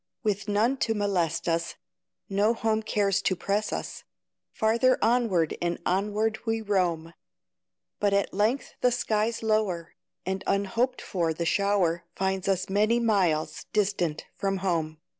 With none to molest us, No home cares to press us, Farther onward, and onward we roam; But at length the skies lower, And unhoped for the shower Finds us many miles distant from home.